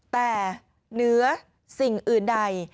แต่เหนือสิ่งอื่นใด